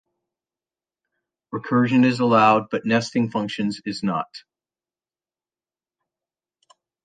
Recursion is allowed, but nesting functions is not.